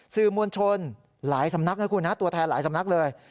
สื่อมวลชนหลายสำนักนะคุณนะตัวแทนหลายสำนักเลย